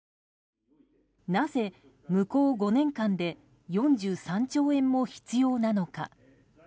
なぜ、向こう５年間で４３兆円も必要なのか。